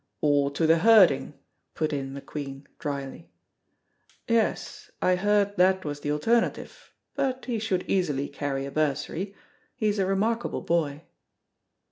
"Or to the herding," put in McQueen, dryly. "Yes, I heard that was the alternative, but he should easily carry a bursary; he is a remarkable boy."